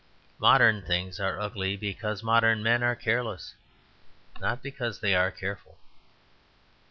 Modern things are ugly, because modern men are careless, not because they are careful."